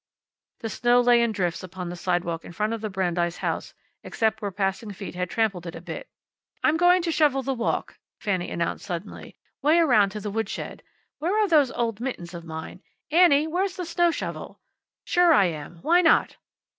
The snow lay in drifts upon the sidewalk in front of the Brandeis house, except where passing feet had trampled it a bit. "I'm going to shovel the walk," Fanny announced suddenly. "Way around to the woodshed. Where are those old mittens of mine? Annie, where's the snow shovel? Sure I am. Why not?"